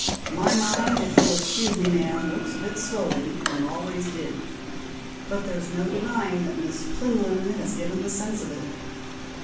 "My mind, if you'll excuse me, ma'am, works a bit slowly, and always did. But there's no denying that Miss Plinlimmon has given the sense of it."